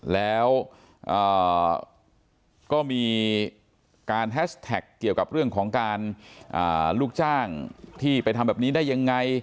แล้วก็มีการแฮชแท็กเกี่ยวกับเรื่องของการลูกจ้างที่ไปทำแบบนี้ได้ยังไง